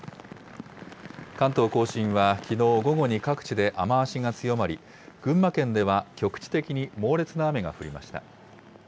関東甲信は、きのう午後に各地で雨足が強まり、群馬県では局地的に猛烈な雨が降りました。